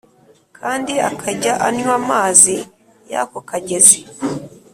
kandi akajya anywa amazi y’ako kagezi